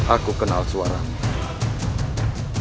aku kenal suaramu